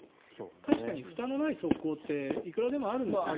確かにふたのない側溝っていくらでもあるんですよね。